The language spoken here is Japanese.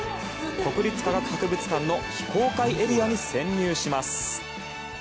国立科学博物館の非公開エリアに潜入します！